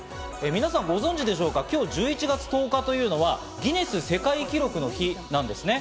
皆さんご存じでしょうか、今日１１月１０日というのは、ギネス世界記録の日なんですね。